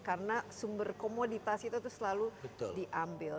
karena sumber komoditas itu selalu diambil